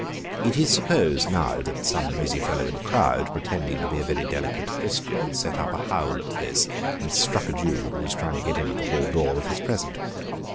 It is supposed, now, that some noisy fellow in the crowd, pretending to be a very delicate Christian, set up a howl at this, and struck a Jew who was trying to get in at the Hall door with his present.